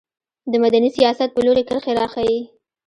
د مدني سیاست په لوري کرښې راښيي.